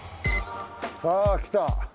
さあ来た。